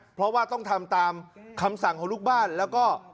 เพราะว่าต้องทำตามคำสั่งของลูกบ้านแล้วก็